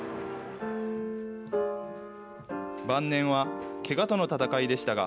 晩年は、けがとの闘いでしたが、